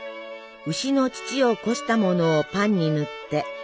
「牛の乳をこしたものをパンに塗って」。